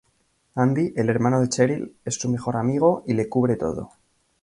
Andy, el hermano de Cheryl, es su mejor amigo y le cubre todo.